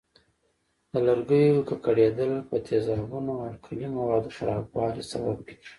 د لرګیو ککړېدل په تیزابونو او القلي موادو خرابوالي سبب کېږي.